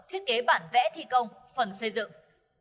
hẳn vẽ thi công phần xây dựng